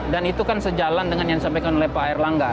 dan itu kan sejalan dengan yang disampaikan oleh pak erlangga